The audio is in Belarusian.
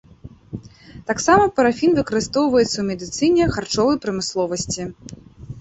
Таксама парафін выкарыстоўваецца ў медыцыне, харчовай прамысловасці.